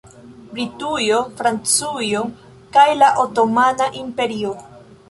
Britujo, Francujo kaj la Otomana Imperio.